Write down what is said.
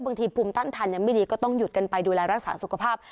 ภูมิต้านทานยังไม่ดีก็ต้องหยุดกันไปดูแลรักษาสุขภาพ